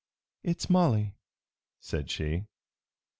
"It's Molly," said she.